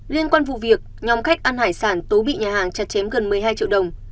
liên quan vụ việc nhóm khách ăn hải sản tú bị nhà hàng chặt chém gần một mươi hai triệu đồng